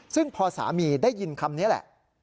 ซึ่งพอสามีได้ยินคำนี้แหละ